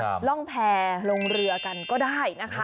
ร่องแพรลงเรือกันก็ได้นะคะ